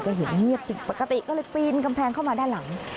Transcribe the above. ก็เห็นเงียบผิดปกติก็เลยปีนกำแพงเข้ามาด้านหลัง